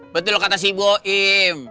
betul kata si ibu im